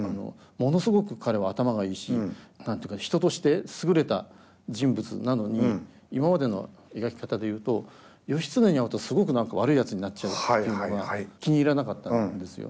ものすごく彼は頭がいいし人として優れた人物なのに今までの描き方で言うと義経に会うとすごく何か悪いやつになっちゃうっていうのが気に入らなかったんですよ。